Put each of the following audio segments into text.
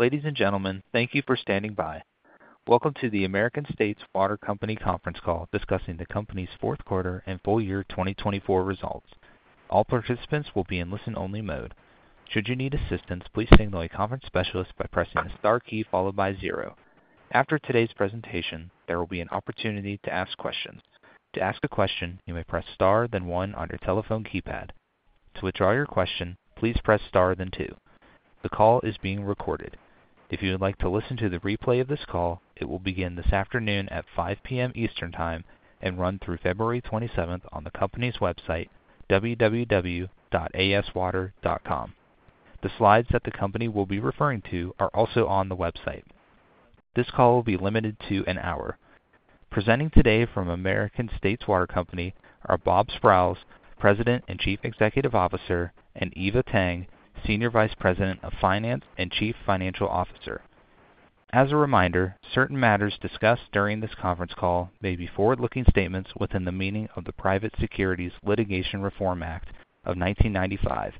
Ladies and gentlemen, thank you for standing by. Welcome to the American States Water Company conference call discussing the company's fourth quarter and full year 2024 results. All participants will be in listen-only mode. Should you need assistance, please signal a conference specialist by pressing the star key followed by zero. After today's presentation, there will be an opportunity to ask questions. To ask a question, you may press star, then one on your telephone keypad. To withdraw your question, please press star, then two. The call is being recorded. If you would like to listen to the replay of this call, it will begin this afternoon at 5:00 P.M. Eastern Time and run through February 27th on the company's website, www.aswater.com. The slides that the company will be referring to are also on the website. This call will be limited to an hour. Presenting today from American States Water Company are Bob Sprowls, President and Chief Executive Officer, and Eva Tang, Senior Vice President of Finance and Chief Financial Officer. As a reminder, certain matters discussed during this conference call may be forward-looking statements within the meaning of the Private Securities Litigation Reform Act of 1995.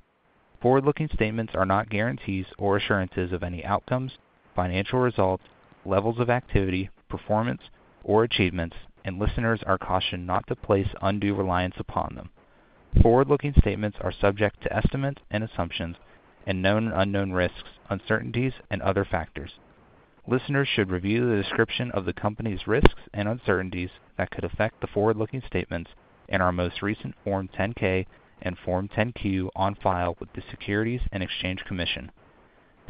Forward-looking statements are not guarantees or assurances of any outcomes, financial results, levels of activity, performance, or achievements, and listeners are cautioned not to place undue reliance upon them. Forward-looking statements are subject to estimates and assumptions and known and unknown risks, uncertainties, and other factors. Listeners should review the description of the company's risks and uncertainties that could affect the forward-looking statements in our most recent Form 10-K and Form 10-Q on file with the Securities and Exchange Commission.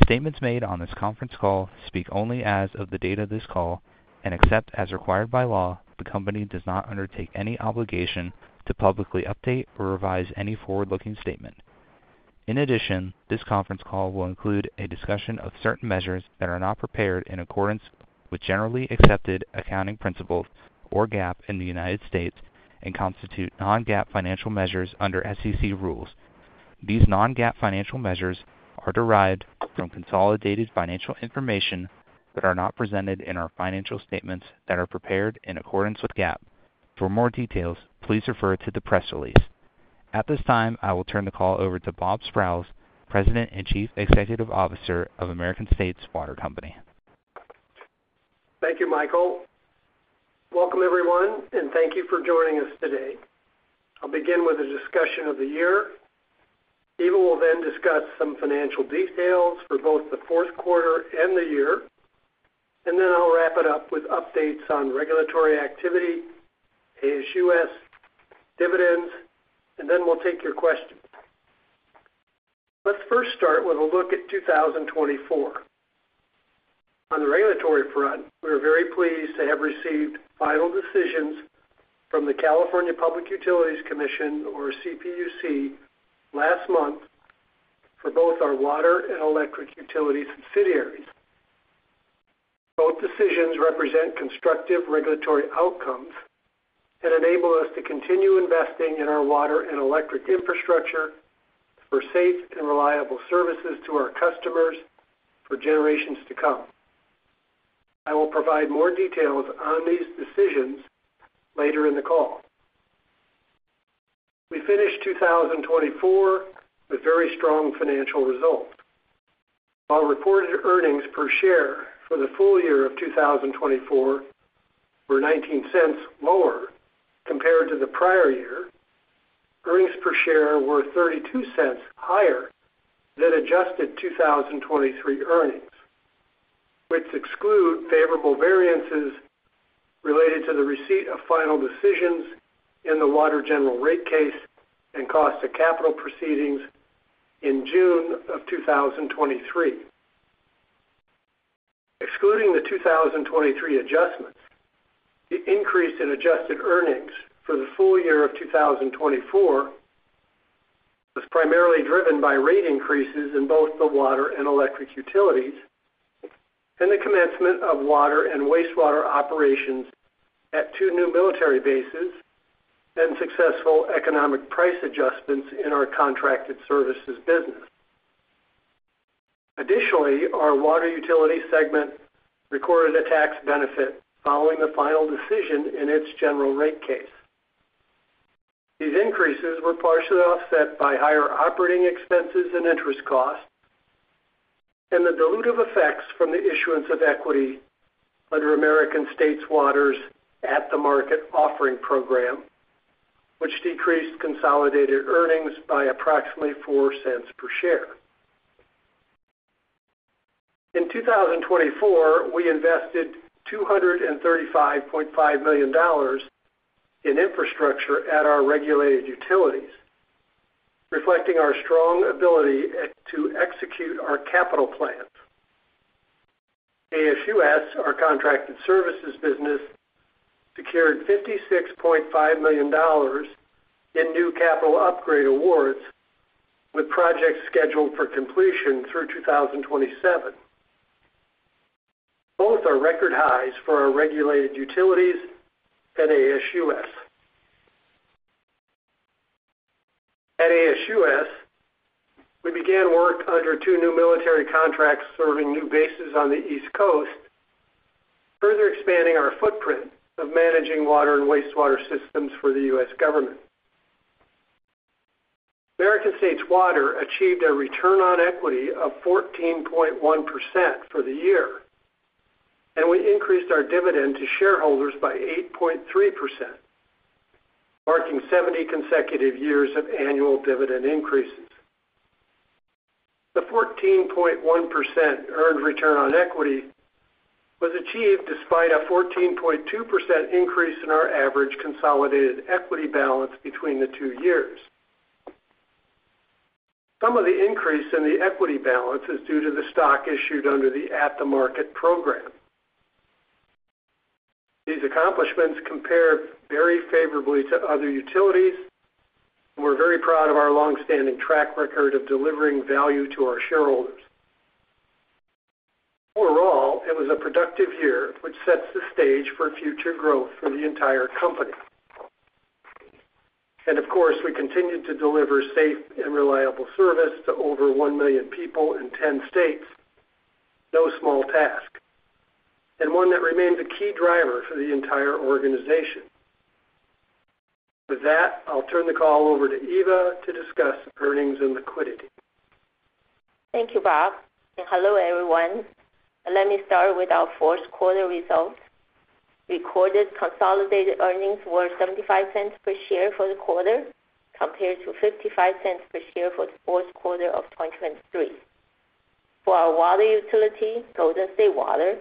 Statements made on this conference call speak only as of the date of this call and, except as required by law, the company does not undertake any obligation to publicly update or revise any forward-looking statement. In addition, this conference call will include a discussion of certain measures that are not prepared in accordance with generally accepted accounting principles or GAAP in the United States and constitute non-GAAP financial measures under SEC rules. These non-GAAP financial measures are derived from consolidated financial information but are not presented in our financial statements that are prepared in accordance with GAAP. For more details, please refer to the press release. At this time, I will turn the call over to Bob Sprowls, President and Chief Executive Officer of American States Water Company. Thank you, Michael. Welcome, everyone, and thank you for joining us today. I'll begin with a discussion of the year. Eva will then discuss some financial details for both the fourth quarter and the year, and then I'll wrap it up with updates on regulatory activity, ASUS, dividends, and then we'll take your questions. Let's first start with a look at 2024. On the regulatory front, we are very pleased to have received final decisions from the California Public Utilities Commission, or CPUC, last month for both our water and electric utility subsidiaries. Both decisions represent constructive regulatory outcomes and enable us to continue investing in our water and electric infrastructure for safe and reliable services to our customers for generations to come. I will provide more details on these decisions later in the call. We finished 2024 with very strong financial results. While reported earnings per share for the full year of 2024 were $0.19 lower compared to the prior year, earnings per share were $0.32 higher than adjusted 2023 earnings, which exclude favorable variances related to the receipt of final decisions in the water general rate case and cost of capital proceedings in June of 2023. Excluding the 2023 adjustments, the increase in adjusted earnings for the full year of 2024 was primarily driven by rate increases in both the water and electric utilities and the commencement of water and wastewater operations at two new military bases and successful economic price adjustments in our contracted services business. Additionally, our water utility segment recorded a tax benefit following the final decision in its general rate case. These increases were partially offset by higher operating expenses and interest costs and the dilutive effects from the issuance of equity under American States Water's At the Market offering program, which decreased consolidated earnings by approximately $0.04 per share. In 2024, we invested $235.5 million in infrastructure at our regulated utilities, reflecting our strong ability to execute our capital plans. ASUS, our contracted services business, secured $56.5 million in new capital upgrade awards with projects scheduled for completion through 2027. Both are record highs for our regulated utilities and ASUS. At ASUS, we began work under two new military contracts serving new bases on the East Coast, further expanding our footprint of managing water and wastewater systems for the U.S. government. American States Water achieved a return on equity of 14.1% for the year, and we increased our dividend to shareholders by 8.3%, marking 70 consecutive years of annual dividend increases. The 14.1% earned return on equity was achieved despite a 14.2% increase in our average consolidated equity balance between the two years. Some of the increase in the equity balance is due to the stock issued under the At the Market program. These accomplishments compare very favorably to other utilities and we're very proud of our longstanding track record of delivering value to our shareholders. Overall, it was a productive year, which sets the stage for future growth for the entire company, and of course, we continued to deliver safe and reliable service to over 1 million people in 10 states, no small task, and one that remains a key driver for the entire organization. With that, I'll turn the call over to Eva to discuss earnings and liquidity. Thank you, Bob, and hello, everyone. Let me start with our fourth quarter results. Recorded consolidated earnings were $0.75 per share for the quarter compared to $0.55 per share for the fourth quarter of 2023. For our water utility, Golden State Water,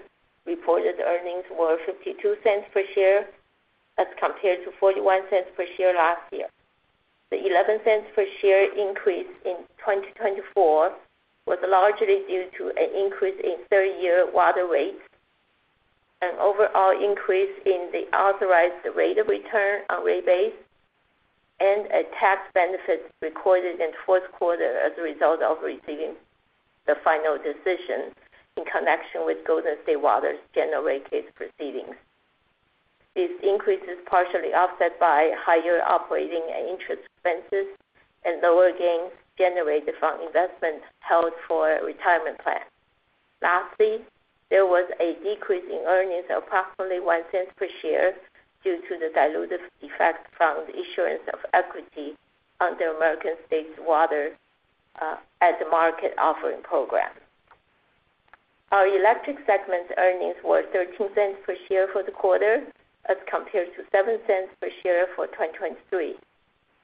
reported earnings were $0.52 per share as compared to $0.41 per share last year. The $0.11 per share increase in 2024 was largely due to an increase in 30-year water rates, an overall increase in the authorized rate of return on rate base, and a tax benefit recorded in the fourth quarter as a result of receiving the final decision in connection with Golden State Water's general rate case proceedings. These increases are partially offset by higher operating interest expenses and lower gains generated from investment held for retirement plans. Lastly, there was a decrease in earnings of approximately 1 cent per share due to the dilutive effect from the issuance of equity under American States Water's At the Market offering program. Our electric segment's earnings were 13 cents per share for the quarter as compared to 7 cents per share for 2023,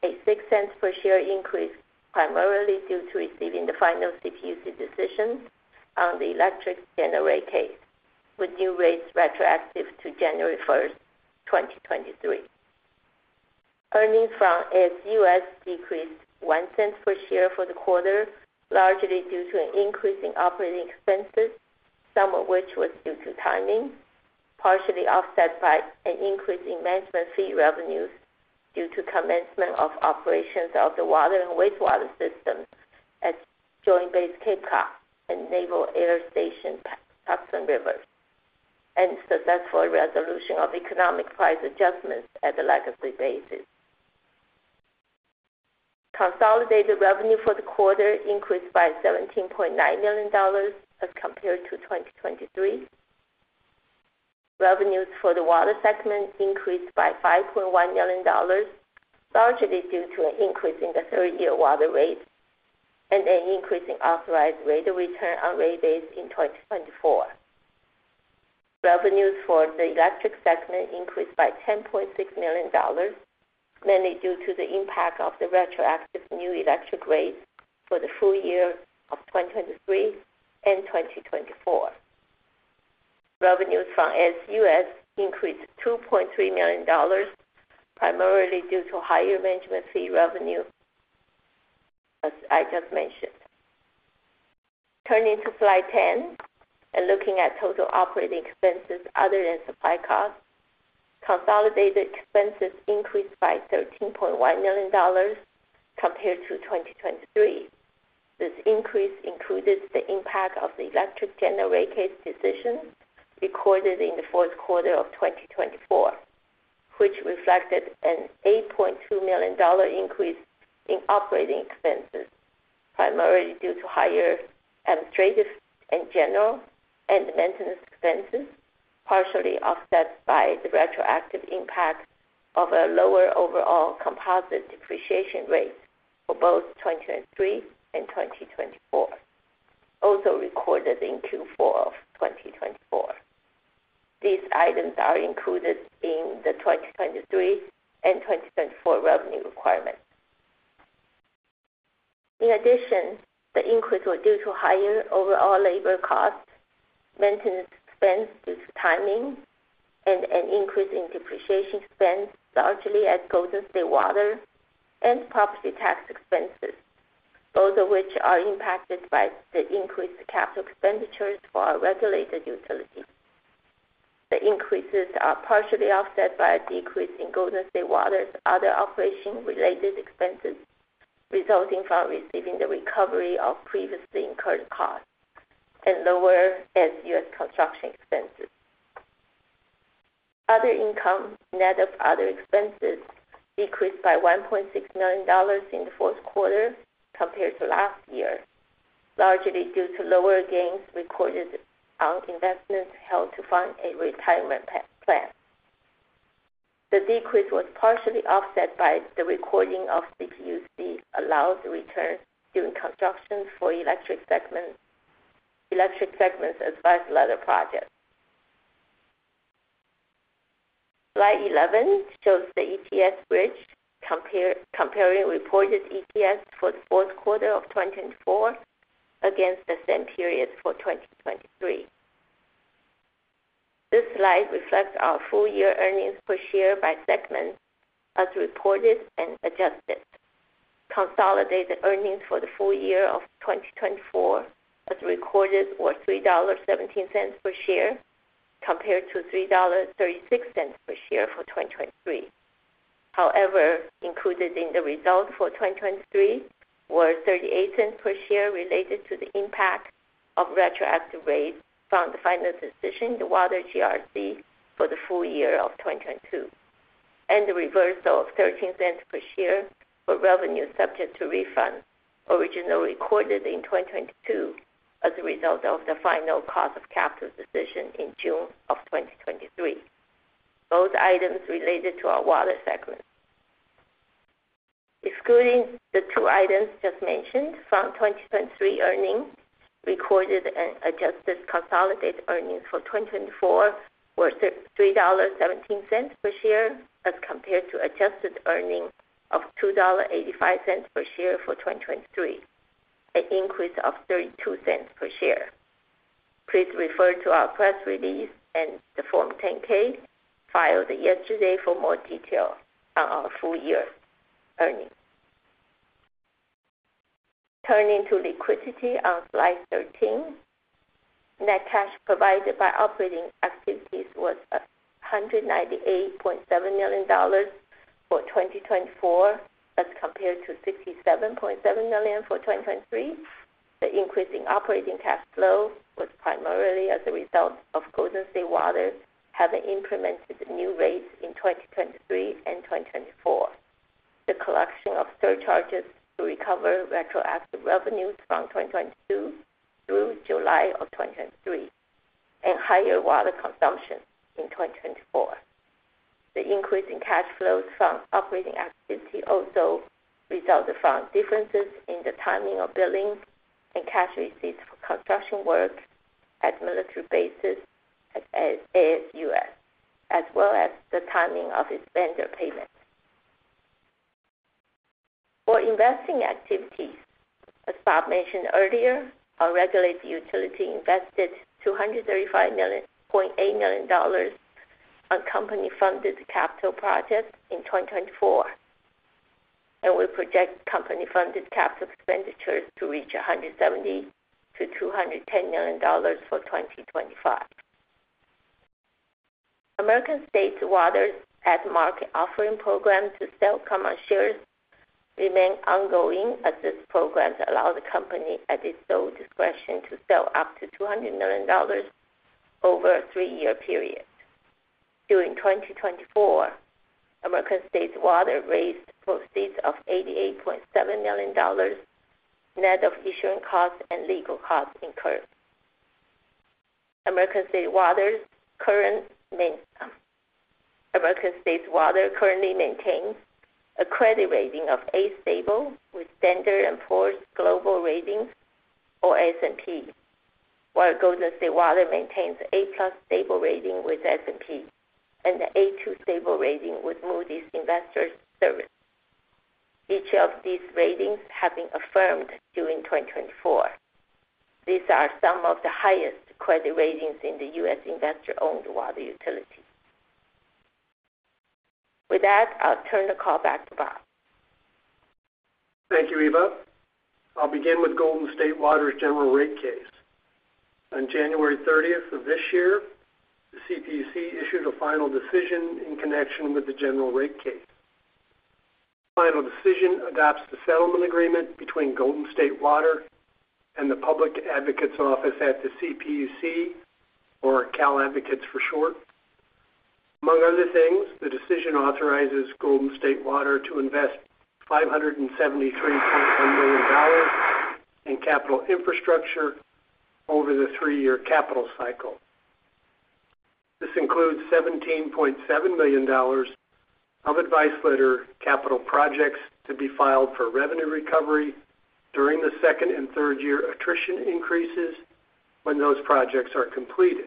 a 6 cents per share increase primarily due to receiving the final CPUC decision on the electric general rate case with new rates retroactive to January 1st, 2023. Earnings from ASUS decreased 1 cent per share for the quarter, largely due to an increase in operating expenses, some of which was due to timing, partially offset by an increase in management fee revenues due to commencement of operations of the water and wastewater systems at Joint Base Cape Cod and Naval Air Station Patuxent River, and successful resolution of economic price adjustments at the legacy bases. Consolidated revenue for the quarter increased by $17.9 million as compared to 2023. Revenues for the water segment increased by $5.1 million, largely due to an increase in the 30-year water rate and an increase in authorized rate of return on rate base in 2024. Revenues for the electric segment increased by $10.6 million, mainly due to the impact of the retroactive new electric rates for the full year of 2023 and 2024. Revenues from ASUS increased $2.3 million, primarily due to higher management fee revenue, as I just mentioned. Turning to slide 10 and looking at total operating expenses other than supply costs, consolidated expenses increased by $13.1 million compared to 2023. This increase included the impact of the electric general rate case decision recorded in the fourth quarter of 2024, which reflected an $8.2 million increase in operating expenses, primarily due to higher administrative and general and maintenance expenses, partially offset by the retroactive impact of a lower overall composite depreciation rate for both 2023 and 2024, also recorded in Q4 of 2024. These items are included in the 2023 and 2024 revenue requirements. In addition, the increase was due to higher overall labor costs, maintenance expense due to timing, and an increase in depreciation spend, largely at Golden State Water and property tax expenses, both of which are impacted by the increased capital expenditures for our regulated utilities. The increases are partially offset by a decrease in Golden State Water's other operation-related expenses resulting from receiving the recovery of previously incurred costs and lower ASUS construction expenses. Other income net of other expenses decreased by $1.6 million in the fourth quarter compared to last year, largely due to lower gains recorded on investments held to fund a retirement plan. The decrease was partially offset by the recording of CPUC allowed returns during construction for electric segments as part of the project. Slide 11 shows the EPS bridge comparing reported EPS for the fourth quarter of 2024 against the same period for 2023. This slide reflects our full year earnings per share by segment as reported and adjusted. Consolidated earnings for the full year of 2024 as recorded were $3.17 per share compared to $3.36 per share for 2023. However, included in the result for 2023 were $0.38 per share related to the impact of retroactive rates from the final decision in the Water GRC for the full year of 2022, and the reversal of $0.13 per share for revenue subject to refund originally recorded in 2022 as a result of the final cost of capital decision in June of 2023. Both items related to our water segment. Excluding the two items just mentioned from 2023 earnings, recorded and adjusted consolidated earnings for 2024 were $3.17 per share as compared to adjusted earnings of $2.85 per share for 2023, an increase of $0.32 per share. Please refer to our press release and the Form 10-K filed yesterday for more detail on our full year earnings. Turning to liquidity on slide 13, net cash provided by operating activities was $198.7 million for 2024 as compared to $67.7 million for 2023. The increase in operating cash flow was primarily as a result of Golden State Water having implemented new rates in 2023 and 2024, the collection of surcharges to recover retroactive revenues from 2022 through July of 2023, and higher water consumption in 2024. The increase in cash flows from operating activity also resulted from differences in the timing of billing and cash receipts for construction work at military bases at ASUS, as well as the timing of its vendor payments. For investing activities, as Bob mentioned earlier, our regulated utility invested $235.8 million on company-funded capital projects in 2024, and we project company-funded capital expenditures to reach $170-$210 million for 2025. American States Water's At the Market offering program to sell common shares remained ongoing as this program allowed the company at its sole discretion to sell up to $200 million over a three-year period. During 2024, American States Water raised proceeds of $88.7 million net of issuing costs and legal costs incurred. American States Water currently maintains a credit rating of A stable with Standard & Poor's Global Ratings, or S&P, while Golden State Water maintains A plus stable rating with S&P and the A2 stable rating with Moody's Investors Service, each of these ratings having affirmed during 2024. These are some of the highest credit ratings in the U.S. investor-owned water utility. With that, I'll turn the call back to Bob. Thank you, Eva. I'll begin with Golden State Water's general rate case. On January 30th of this year, the CPUC issued a final decision in connection with the general rate case. The final decision adopts the settlement agreement between Golden State Water and the Public Advocates Office at the CPUC, or Cal Advocates for short. Among other things, the decision authorizes Golden State Water to invest $573.1 million in capital infrastructure over the three-year capital cycle. This includes $17.7 million of advice letter capital projects to be filed for revenue recovery during the second and third-year attrition increases when those projects are completed.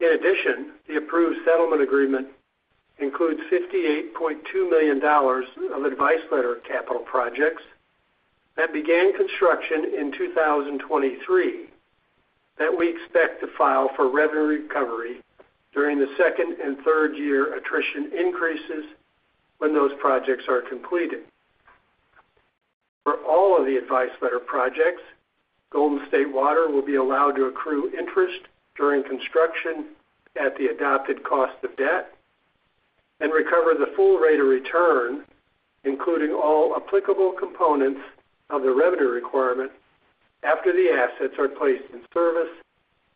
In addition, the approved settlement agreement includes $58.2 million of advice letter capital projects that began construction in 2023 that we expect to file for revenue recovery during the second and third-year attrition increases when those projects are completed. For all of the Advice Letter projects, Golden State Water will be allowed to accrue interest during construction at the adopted cost of debt and recover the full rate of return, including all applicable components of the revenue requirement after the assets are placed in service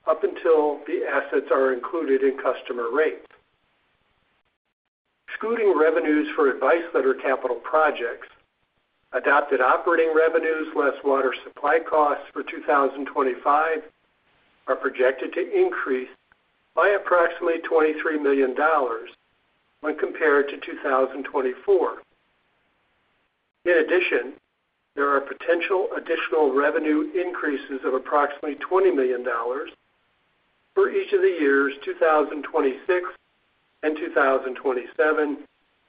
up until the assets are included in customer rates. Excluding revenues for Advice Letter capital projects, adopted operating revenues less water supply costs for 2025 are projected to increase by approximately $23 million when compared to 2024. In addition, there are potential additional revenue increases of approximately $20 million for each of the years 2026 and 2027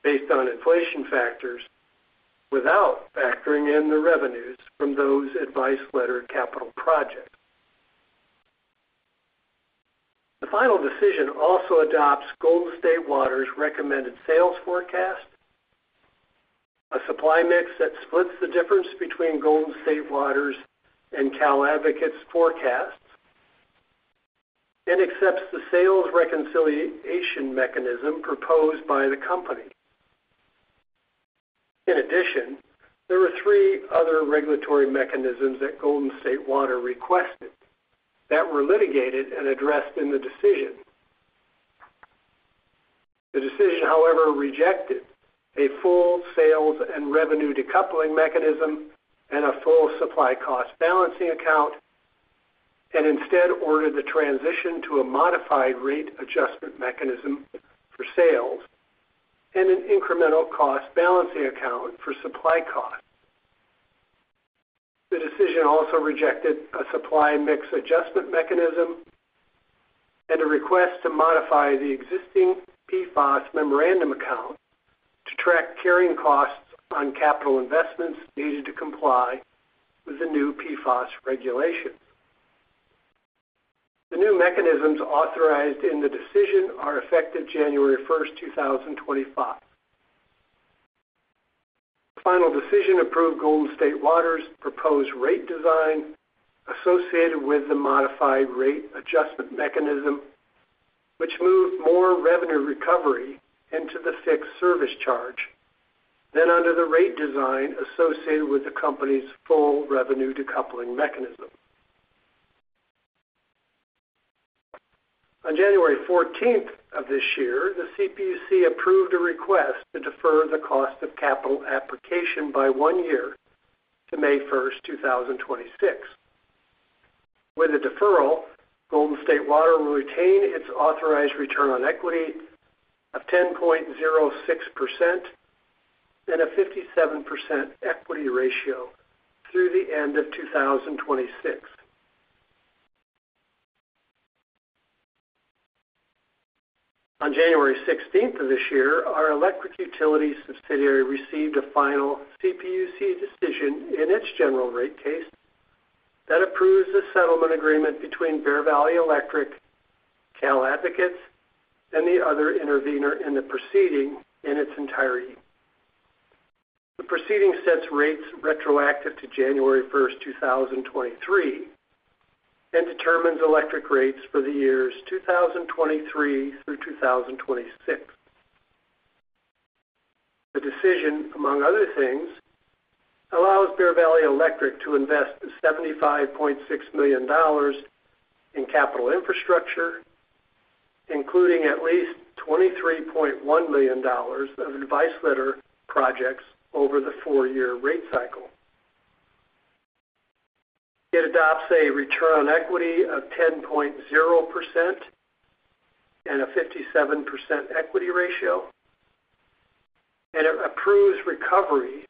based on inflation factors without factoring in the revenues from those Advice Letter capital projects. The final decision also adopts Golden State Water's recommended sales forecast, a supply mix that splits the difference between Golden State Water's and Cal Advocates' forecasts, and accepts the sales reconciliation mechanism proposed by the company. In addition, there were three other regulatory mechanisms that Golden State Water requested that were litigated and addressed in the decision. The decision, however, rejected a full sales and revenue decoupling mechanism and a full supply cost balancing account and instead ordered the transition to a modified rate adjustment mechanism for sales and an incremental cost balancing account for supply costs. The decision also rejected a supply mix adjustment mechanism and a request to modify the existing PFOS memorandum account to track carrying costs on capital investments needed to comply with the new PFOS regulations. The new mechanisms authorized in the decision are effective January 1st, 2025. The final decision approved Golden State Water's proposed rate design associated with the modified rate adjustment mechanism, which moved more revenue recovery into the fixed service charge than under the rate design associated with the company's full revenue decoupling mechanism. On January 14th of this year, the CPUC approved a request to defer the cost of capital application by one year to May 1st, 2026. With the deferral, Golden State Water will retain its authorized return on equity of 10.06% and a 57% equity ratio through the end of 2026. On January 16th of this year, our electric utility subsidiary received a final CPUC decision in its general rate case that approves the settlement agreement between Bear Valley Electric, Cal Advocates, and the other intervenor in the proceeding in its entirety. The proceeding sets rates retroactive to January 1st, 2023, and determines electric rates for the years 2023 through 2026. The decision, among other things, allows Bear Valley Electric to invest $75.6 million in capital infrastructure, including at least $23.1 million of advice letter projects over the four-year rate cycle. It adopts a return on equity of 10.0% and a 57% equity ratio, and it approves recovery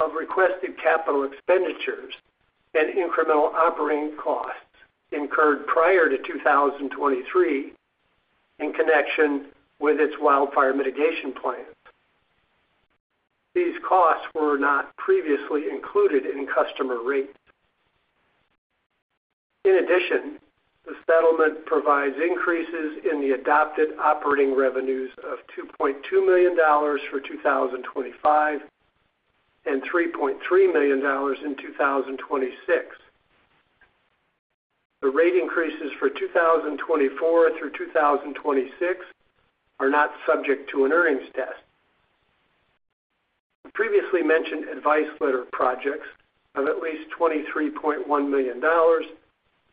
of requested capital expenditures and incremental operating costs incurred prior to 2023 in connection with its wildfire mitigation plans. These costs were not previously included in customer rates. In addition, the settlement provides increases in the adopted operating revenues of $2.2 million for 2025 and $3.3 million in 2026. The rate increases for 2024 through 2026 are not subject to an earnings test. The previously mentioned advice letter projects of at least $23.1 million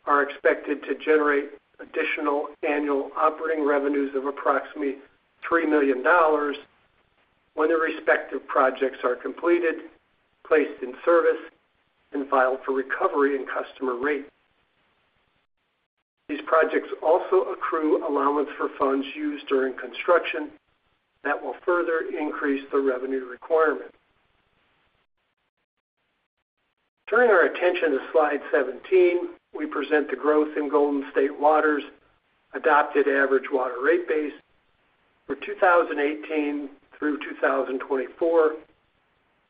are expected to generate additional annual operating revenues of approximately $3 million when the respective projects are completed, placed in service, and filed for recovery in customer rate. These projects also accrue allowance for funds used during construction that will further increase the revenue requirement. Turning our attention to slide 17, we present the growth in Golden State Water's adopted average water rate base for 2018 through 2024,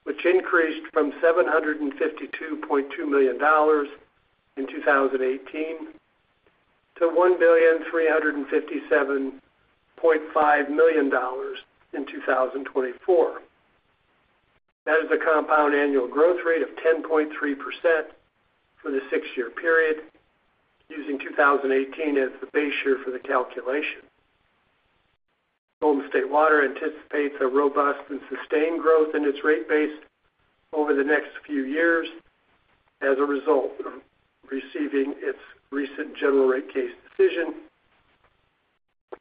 which increased from $752.2 million in 2018 to $1,357.5 million in 2024. That is a compound annual growth rate of 10.3% for the six-year period, using 2018 as the base year for the calculation. Golden State Water anticipates a robust and sustained growth in its rate base over the next few years as a result of receiving its recent general rate case decision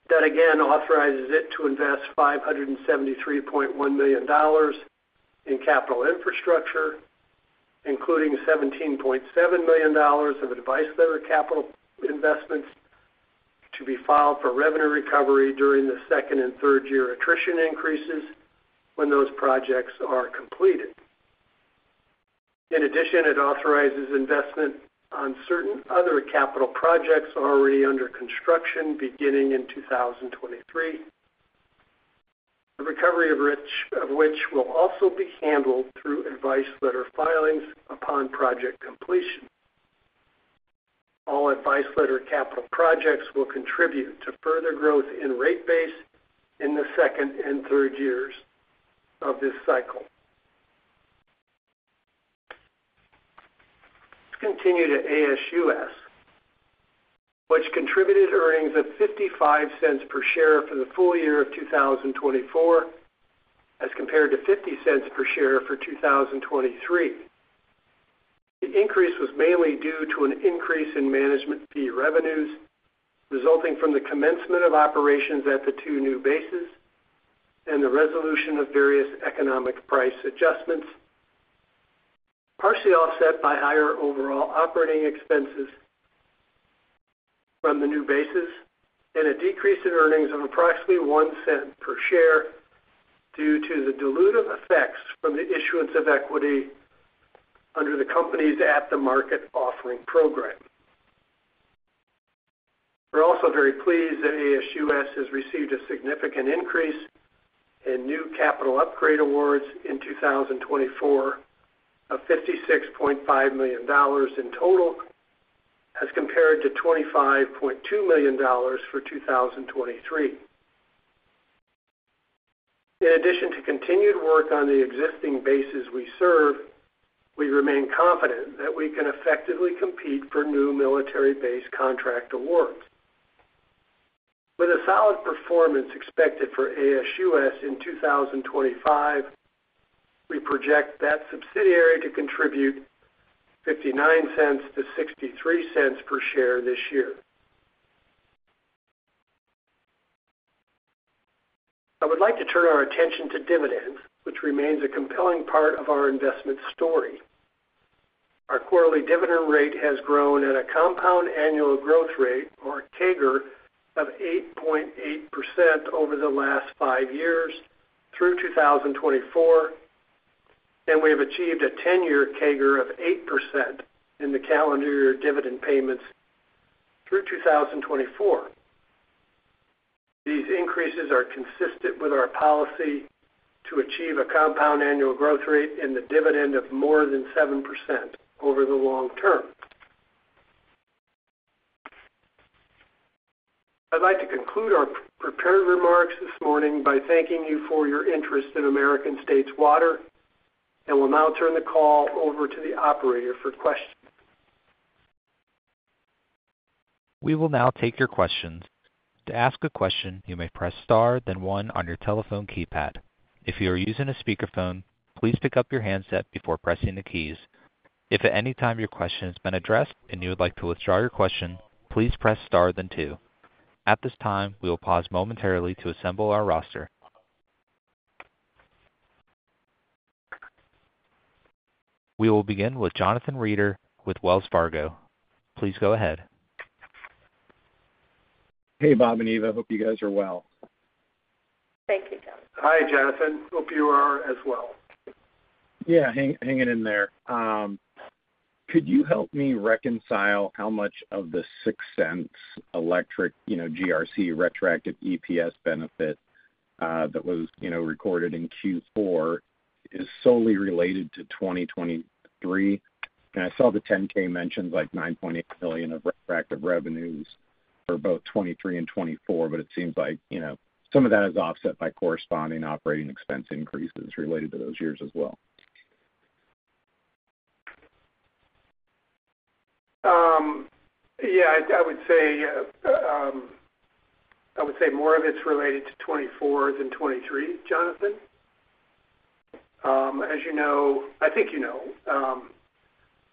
that again authorizes it to invest $573.1 million in capital infrastructure, including $17.7 million of advice letter capital investments to be filed for revenue recovery during the second and third-year attrition increases when those projects are completed. In addition, it authorizes investment on certain other capital projects already under construction beginning in 2023, the recovery of which will also be handled through advice letter filings upon project completion. All advice letter capital projects will contribute to further growth in rate base in the second and third years of this cycle. Let's continue to ASUS, which contributed earnings of $0.55 per share for the full year of 2024 as compared to $0.50 per share for 2023. The increase was mainly due to an increase in management fee revenues resulting from the commencement of operations at the two new bases and the resolution of various economic price adjustments, partially offset by higher overall operating expenses from the new bases and a decrease in earnings of approximately $0.01 per share due to the dilutive effects from the issuance of equity under the company's At the Market offering program. We're also very pleased that ASUS has received a significant increase in new capital upgrade awards in 2024 of $56.5 million in total as compared to $25.2 million for 2023. In addition to continued work on the existing bases we serve, we remain confident that we can effectively compete for new military-based contract awards. With a solid performance expected for ASUS in 2025, we project that subsidiary to contribute $0.59-$0.63 per share this year. I would like to turn our attention to dividends, which remains a compelling part of our investment story. Our quarterly dividend rate has grown at a compound annual growth rate, or CAGR, of 8.8% over the last five years through 2024, and we have achieved a 10-year CAGR of 8% in the calendar year dividend payments through 2024. These increases are consistent with our policy to achieve a compound annual growth rate in the dividend of more than 7% over the long term. I'd like to conclude our prepared remarks this morning by thanking you for your interest in American States Water, and we'll now turn the call over to the operator for questions. We will now take your questions. To ask a question, you may press star, then one on your telephone keypad. If you are using a speakerphone, please pick up your handset before pressing the keys. If at any time your question has been addressed and you would like to withdraw your question, please press star, then two. At this time, we will pause momentarily to assemble our roster. We will begin with Jonathan Reeder with Wells Fargo. Please go ahead. Hey, Bob and Eva. Hope you guys are well. Thank you, John. Hi, Jonathan. Hope you are as well. Yeah, hanging in there. Could you help me reconcile how much of the $0.06 electric GRC retroactive EPS benefit that was recorded in Q4 is solely related to 2023? I saw the 10-K mentions like $9.8 million of retroactive revenues for both 2023 and 2024, but it seems like some of that is offset by corresponding operating expense increases related to those years as well. Yeah, I would say more of it's related to 2024 than 2023, Jonathan. As you know, I think you know,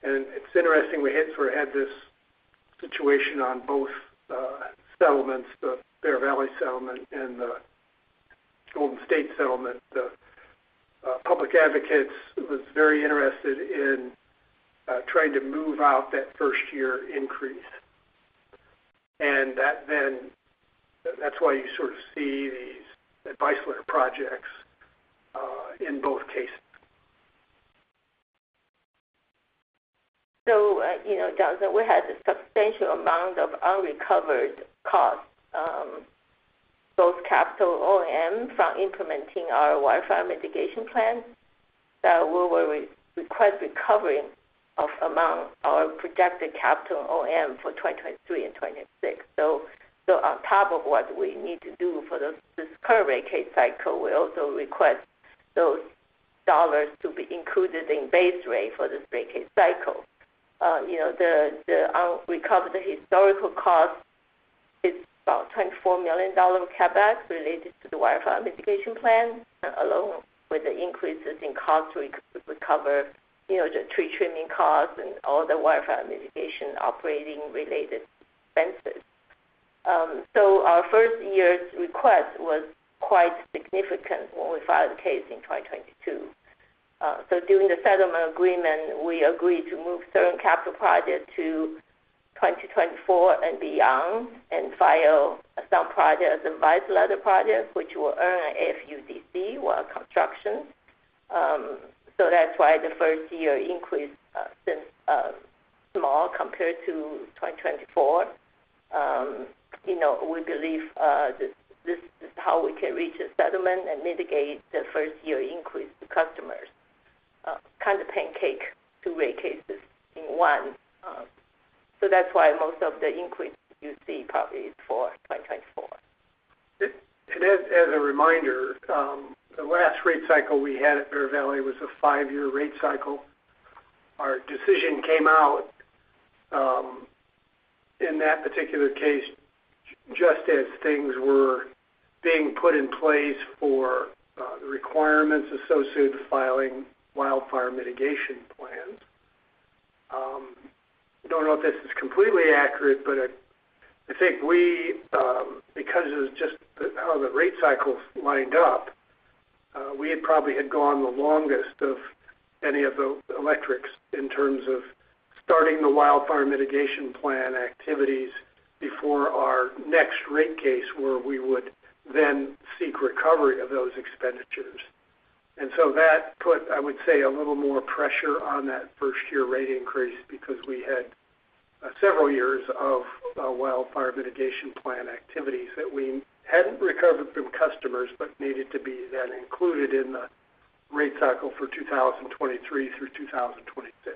and it's interesting we sort of had this situation on both settlements, the Bear Valley settlement and the Golden State settlement. The Public Advocates was very interested in trying to move out that first-year increase, and that's why you sort of see these Advice Letter Projects in both cases. So, Jonathan, we had a substantial amount of unrecovered costs, both capital and OM, from implementing our wildfire mitigation plan. So we were requesting recovery of amount of our projected capital and OM for 2023 and 2026. So on top of what we need to do for this current rate case cycle, we also request those dollars to be included in base rate for this rate case cycle. The unrecovered historical cost is about $24 million of CapEx related to the wildfire mitigation plan, along with the increases in cost to recover the tree trimming costs and all the wildfire mitigation operating-related expenses. So our first year's request was quite significant when we filed the case in 2022. So during the settlement agreement, we agreed to move certain capital projects to 2024 and beyond and file some projects as advice letter projects, which will earn an AFUDC while construction. So that's why the first-year increase seems small compared to 2024. We believe this is how we can reach a settlement and mitigate the first-year increase to customers, kind of pancake two rate cases in one. So that's why most of the increase you see probably is for 2024. As a reminder, the last rate cycle we had at Bear Valley was a five-year rate cycle. Our decision came out in that particular case just as things were being put in place for the requirements associated with filing wildfire mitigation plans. I don't know if this is completely accurate, but I think we, because of just how the rate cycles lined up, we had probably gone the longest of any of the electrics in terms of starting the wildfire mitigation plan activities before our next rate case where we would then seek recovery of those expenditures. So that put, I would say, a little more pressure on that first-year rate increase because we had several years of wildfire mitigation plan activities that we hadn't recovered from customers but needed to be then included in the rate cycle for 2023 through 2026.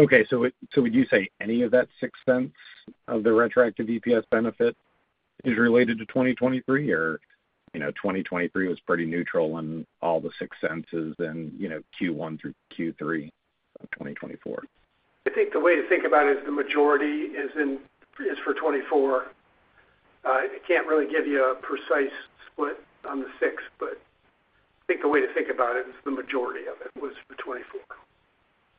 Okay, so would you say any of that $0.06 of the retroactive EPS benefit is related to 2023, or 2023 was pretty neutral in all the $0.06 in Q1 through Q3 of 2024? I think the way to think about it is the majority is for 2024. I can't really give you a precise split on the $0.06, but I think the way to think about it is the majority of it was for 2024.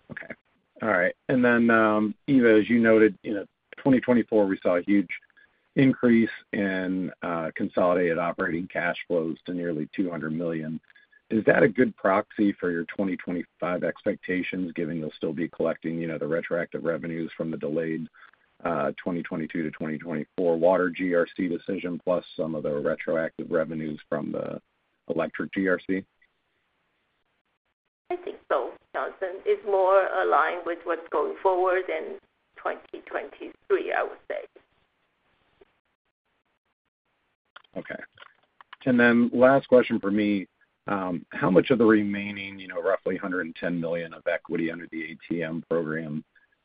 Okay. All right. And then, Eva, as you noted, in 2024, we saw a huge increase in consolidated operating cash flows to nearly $200 million. Is that a good proxy for your 2025 expectations, given you'll still be collecting the retroactive revenues from the delayed 2022 to 2024 water GRC decision plus some of the retroactive revenues from the electric GRC? I think so, Jonathan. It's more aligned with what's going forward in 2023, I would say. Okay, and then last question for me. How much of the remaining, roughly $110 million of equity under the ATM program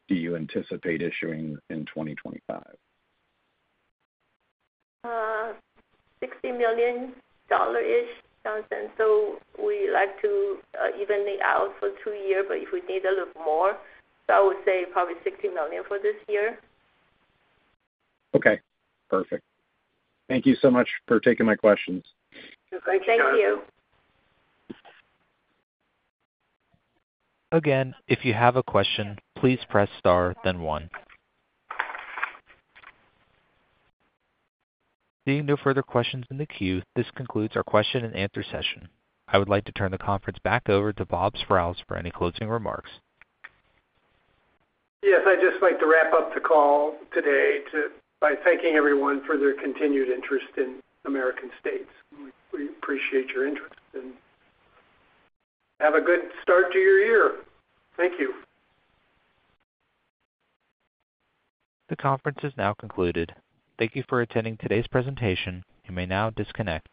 do you anticipate issuing in 2025? $60 million-ish, Jonathan. So we like to even it out for two years, but if we need a little more, so I would say probably $60 million for this year. Okay. Perfect. Thank you so much for taking my questions. Thank you. Again, if you have a question, please press star, then one. Seeing no further questions in the queue, this concludes our question-and-answer session. I would like to turn the conference back over to Bob Sprowls for any closing remarks. Yes. I'd just like to wrap up the call today by thanking everyone for their continued interest in American States. We appreciate your interest and have a good start to your year. Thank you. The conference is now concluded. Thank you for attending today's presentation. You may now disconnect.